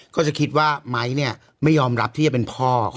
ก็จะคิดว่าไม้เนี่ยไม่ยอมรับที่จะเป็นพ่อ